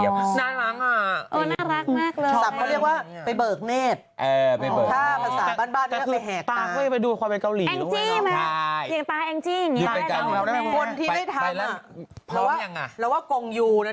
ภาพแกร่งจากชื่อของเส้นสองชั้น